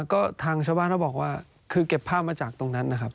ก็ทางชาวบ้านก็บอกว่าคือเก็บภาพมาจากตรงนั้นนะครับ